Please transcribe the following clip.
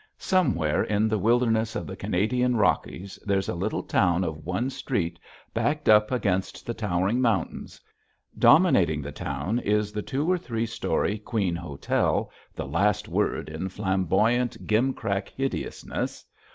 Somewhere in the wilderness of the Canadian Rockies there's a little town of one street backed up against the towering mountains. Dominating the town is the two or three story "Queen Hotel," the last word in flamboyant, gimcrack hideousness.